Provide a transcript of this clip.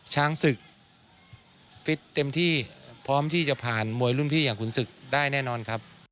ช้างศึกฟิตเต็มที่พร้อมที่จะผ่านมวยรุ่นพี่อย่างขุนศึกได้แน่นอนครับ